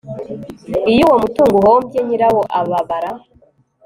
iyo uwo mutungo uhombye nyiraho ababara